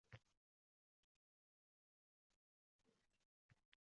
Eng mukammal odobni yer yuzida yoyishga mas’ul bo‘lgan ummat